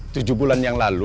tujuh bulan yang lalu